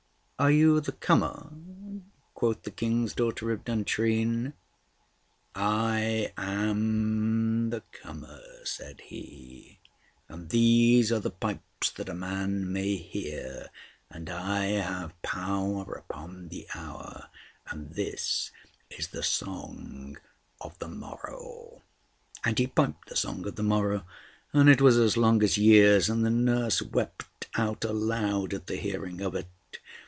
"Are you the comer?" quoth the King's daughter of Duntrine. "I am the corner," said he, "and these are the pipes that a man may hear, and I have power upon the hour, and this is the song of the morrow." And he piped the song of the morrow, and it was as long as years; and the nurse wept out aloud at the hearing of it.